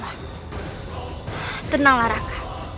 raka tenanglah raka